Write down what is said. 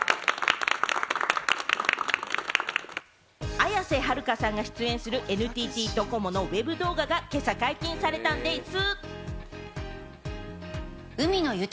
綾瀬はるかさんが出演する、ＮＴＴドコモのＷＥＢ動画が今朝、解禁されたんでぃす！